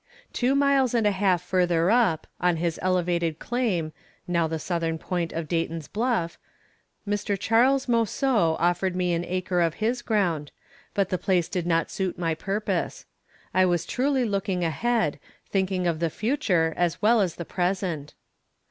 Two miles and a half further up, on his elevated claim (now the southern point of Dayton's Bluff), Mr. Charles Mouseau offered me an acre of his ground, but the place did not suit my purpose. I was truly looking ahead, thinking of the future as well as the present.